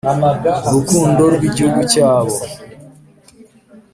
urukundo rw Igihugu cyabo